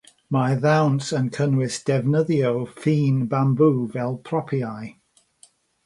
Mae'r ddawns yn cynnwys defnyddio ffyn bambŵ fel propiau.